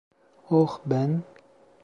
Oh, ben…